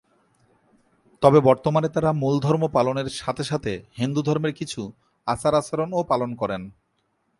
তবে বর্তমানে তারা মূল ধর্ম পালনের সাথে সাথে হিন্দু ধর্মের কিছু আচার আচরণ ও পালন করেন।